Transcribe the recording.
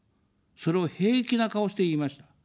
それを平気な顔して言いました。